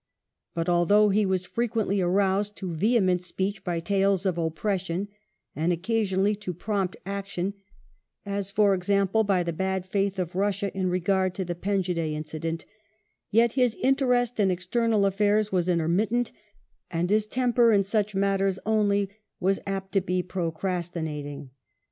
But although he was frequently aroused to vehement speech by tales of oppression and occasionally to prompt action, as, for example, by the bad faith of Russia in regard to the Penjdeh incident, yet his interest in external afi'airs was intermittent, and his temper, in such matters only, was apt to be procrastinating.